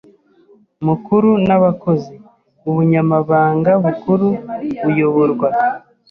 Mukuru n’abakozi. Ubunyamabanga Bukuru buyoborwa